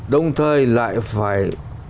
đồng thời lại phải